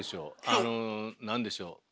あの何でしょう本能？